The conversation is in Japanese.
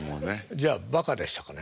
じゃあバカでしたかね？